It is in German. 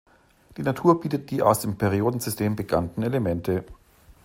Die Natur bietet die aus dem Periodensystem bekannten Elemente.